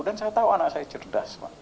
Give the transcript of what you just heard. dan saya tahu anak saya cerdas pak